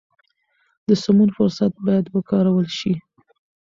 د سمون فرصت باید ورکړل شي.